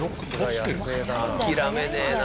諦めねえな！